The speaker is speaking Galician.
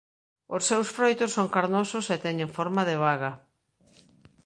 Os seus froitos son carnosos e teñen forma de baga.